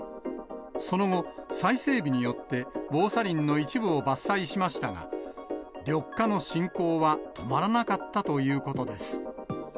その後、再整備によって防砂林の一部を伐採しましたが、緑化の進行は止まらなかったということです。